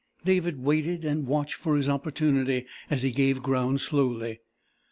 David waited and watched for his opportunity as he gave ground slowly.